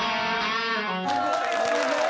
すごい！